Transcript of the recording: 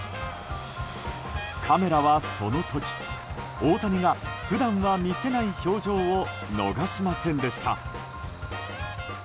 カメラは、その時大谷が普段は見せない表情を逃しませんでした。